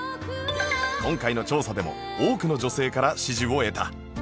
今回の調査でも多くの女性から支持を得た